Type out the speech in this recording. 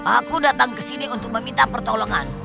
aku datang ke sini untuk meminta pertolongan